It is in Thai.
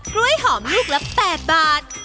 กล้วยหอมลูกละ๘บาท